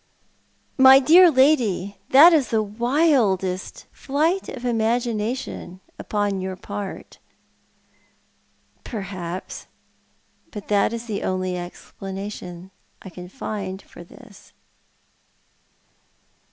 " My dear lady, that is the wildest flight of imagination upon your part." "Perhaps — but that is the only explanation I can find for this."'